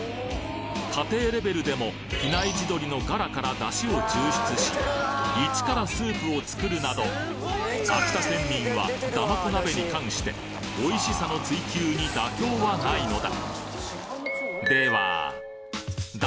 家庭レベルでも比内地鶏のガラから出汁を抽出し１からスープを作るなど秋田県民はだまこ鍋に関しておいしさの追求に妥協はないのだ！